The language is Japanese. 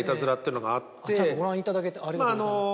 ちゃんとご覧いただけてありがとうございます。